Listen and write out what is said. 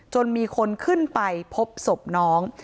จนมีคนขึ้นไปพบศพน้อง